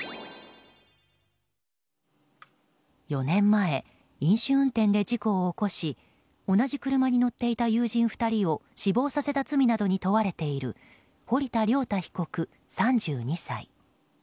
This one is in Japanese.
４年前、飲酒運転で事故を起こし同じ車に乗っていた友人２人を死亡させた罪などに問われている堀田亮太被告、３２歳。